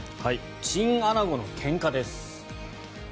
チンアナゴのけんかです。